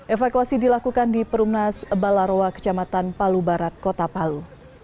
evakuasi dilakukan di perumnas balarowa kecamatan palu barat kota palu